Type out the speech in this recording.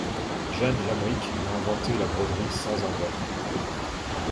Jeanne Labric a inventé la broderie sans envers.